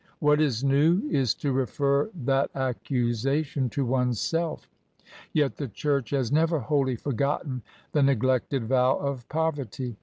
What is new is to refer that accusation to one's self. Yet the church has never wholly forgotten the neglected vow of poverty.